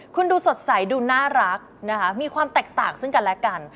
คุณดูสดใสดูน่ารักนะคะมีความแตกต่างซึ่งกันและกัน